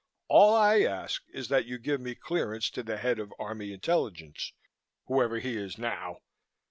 All I ask is that you give me clearance to the head of Army Intelligence, whoever he is now.